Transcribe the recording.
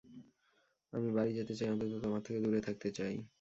আমি বাড়ি যেতে চাই অন্তত তোমার থেকে দূরে থাকতে চাই।